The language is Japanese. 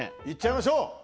いっちゃいましょう！